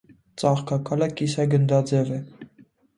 Ծաղկակալը կիսագնդաձև է։